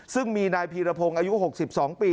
ซึ่งมีนายพีรพงศ์อายุ๖๒ปี